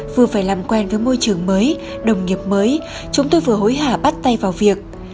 vừa phải làm quen với môi trường mới đồng nghiệp mới chúng tôi vừa hối hả bắt tay vào việc